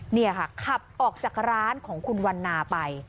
นี่ค่ะขับออกจากร้านของคุณวันนาไป